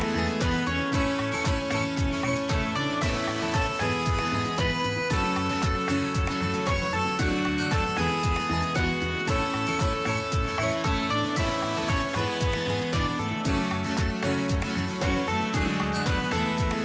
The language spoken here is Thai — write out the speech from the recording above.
โปรดติดตามตอนต่อไป